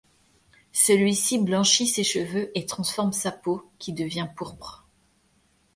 Celui-ci blanchit ses cheveux et transforme sa peau, qui devient pourpre.